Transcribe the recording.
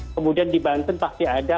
kemudian di banten pasti ada